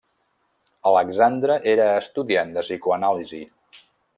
Alexandra era estudiant de psicoanàlisi.